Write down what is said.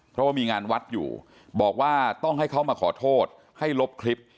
เพราะว่ามีงานวัดอยู่บอกว่าต้องให้เขามาขอโทษให้ลบคลิป